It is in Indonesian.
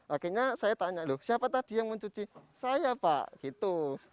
akhirnya saya tanya loh siapa tadi yang mencuci saya pak gitu